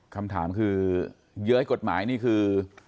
คำถามคือเย้ยกฎหมายนี่คือ